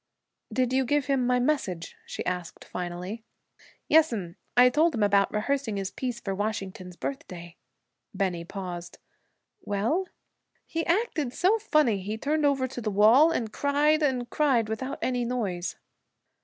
'Did you give him my message?' she asked finally. 'Yes'm! I told him about rehearsing his piece for Washington's Birthday.' Bennie paused. 'Well?' 'He acted so funny. He turned over to the wall, and cried and cried without any noise.'